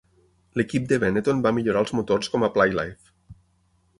L'equip de Benetton va millorar els motors com a Playlife.